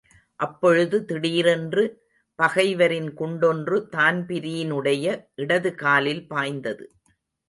அப்பொழுது திடீரென்று பகைவரின் குண்டொன்று தான்பிரீனுடைய இடதுகாலில் பாய்ந்தது.